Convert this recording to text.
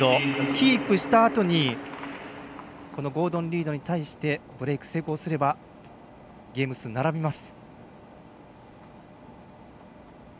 キープしたあとにゴードン・リードに対してブレーク成功すればゲーム数が並びます。